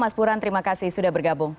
mas buran terima kasih sudah bergabung